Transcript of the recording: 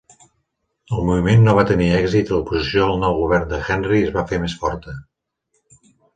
El moviment no va tenir èxit i l'oposició al nou govern de Henry es va fer més forta.